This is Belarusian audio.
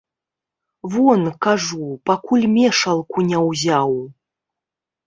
Вон, кажу, пакуль мешалку не ўзяў.